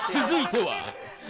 続いては。